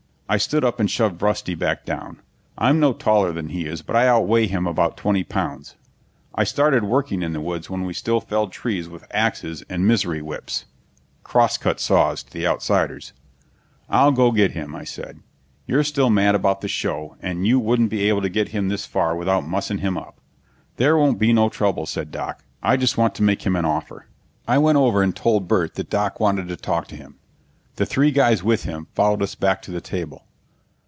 I stood up and shoved Rusty back down. I'm no taller than he is, but I outweigh him about twenty pounds. I started working in the woods when we still felled trees with axes and misery whips crosscut saws to the Outsiders. "I'll go get him," I said. "You're still mad about the show, and you wouldn't be able to get him this far without mussing him up." "There won't be no trouble," said Doc. "I just want to make him an offer." I went over and told Burt that Doc wanted to talk to him. The three guys with him followed us back to the table.